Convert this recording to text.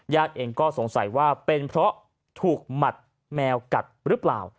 เองก็สงสัยว่าเป็นเพราะถูกหมัดแมวกัดหรือเปล่า